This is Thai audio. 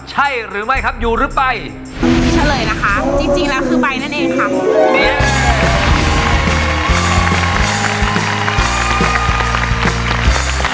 ใช่หรือไม่ครับอยู่หรือไปเฉลยนะคะจริงจริงแล้วคือใบนั่นเองค่ะ